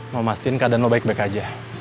memastikan keadaan lo baik baik aja